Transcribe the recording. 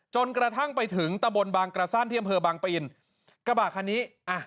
จนกระทั่งไปถึงตะบนบางกระสั้นที่อำเภอบางปินกระบะคันนี้อ่ะ